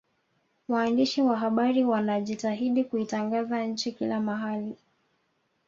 waandishi wa habari wanajitahidi kuitangaza nchi kila mahali